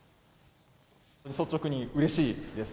率直にうれしいです。